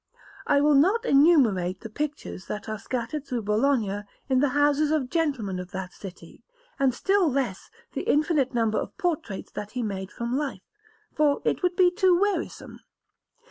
I will not enumerate the pictures that are scattered throughout Bologna in the houses of gentlemen of that city, and still less the infinite number of portraits that he made from life, for it would be too wearisome.